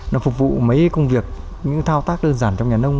nó phục vụ mấy công việc những thao tác đơn giản trong nhà nông